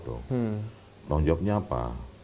tanggung jawabnya apa